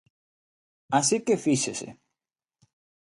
Así que fíxese.